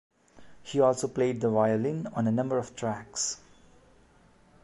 He also played the violin on a number of tracks.